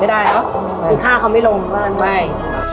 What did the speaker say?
ไม่ได้เหรอคือฆ่าเขาไม่ลงไม่ได้